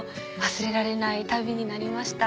忘れられない旅になりました。